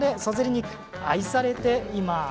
肉、愛されています。